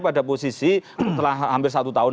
pada posisi setelah hampir satu tahun